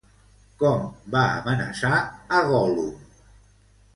Com va amenaçar a Gollum?